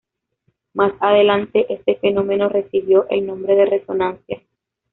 Más adelante, este fenómeno recibió el nombre de resonancia.